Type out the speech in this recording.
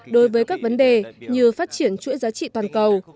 đối với các vấn đề như phát triển chuỗi giá trị toàn cầu